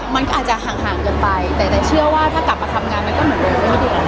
มันก็อาจจะห่างเกินไปแต่เชื่อว่าถ้ากลับมาทำงานมันก็เหมือนเดิมไม่ดีแล้ว